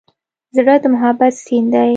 زړه د محبت سیند دی.